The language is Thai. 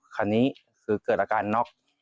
คันนี้คือเกิดอาการน็อก